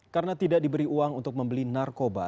karena tidak diberi uang untuk membeli narkoba